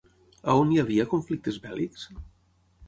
On hi havia conflictes bèl·lics?